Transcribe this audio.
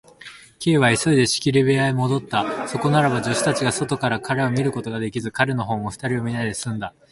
Ｋ は急いで仕切り部屋へもどった。そこならば、助手たちが外から彼を見ることができず、彼のほうも二人を見ないですんだ。